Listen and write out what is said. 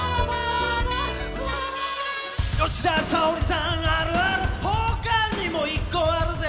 「吉田沙保里さんあるある他にも１個あるぜ」